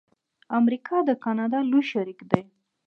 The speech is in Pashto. امریکا د کاناډا لوی شریک دی.